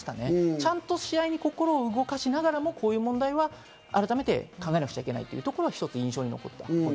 ちゃんと試合に心を動かしながらもこういう問題は改めて考えなくちゃいけないっていうのは印象に残りました。